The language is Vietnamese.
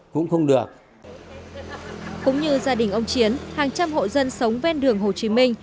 cũng như gia đình ông chiến hàng trăm hộ dân sống ven đường hồ chí minh